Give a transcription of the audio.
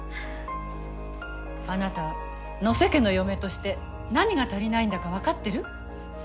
あなた野瀬家の嫁として何が足りないんだかわかってる？